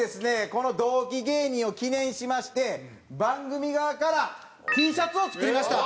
この同期芸人を記念しまして番組側からＴシャツを作りました。